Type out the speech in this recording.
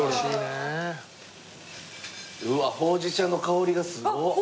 うわっほうじ茶の香りがすごっ。